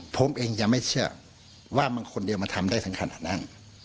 ผมเองยังไม่เชื่อว่ามันคนเดียวมันทำได้ถึงขนาดนั้น